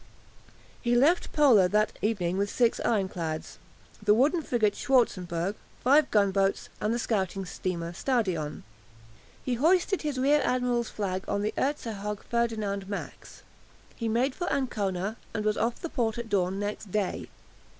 He left Pola that evening with six ironclads, the wooden frigate "Schwarzenberg," five gunboats, and the scouting steamer "Stadion." He had hoisted his rear admiral's flag on the "Erzherzog Ferdinand Max." He made for Ancona, and was off the port at dawn next day.